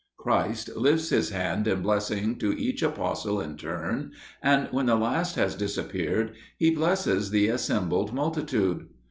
Christ lifts His hand in blessing to each apostle in turn, and when the last has disappeared, He blesses the assembled multitude.